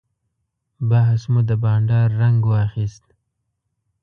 بحث مو د بانډار رنګ واخیست.